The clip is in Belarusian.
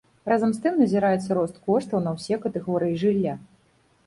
Разам з тым, назіраецца рост коштаў на ўсе катэгорыі жылля.